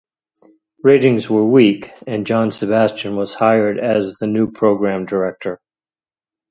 Ratings were weak, and John Sebastian was hired as the new Program Director.